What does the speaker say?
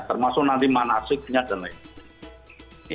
termasuk nanti manasiknya dan lain lain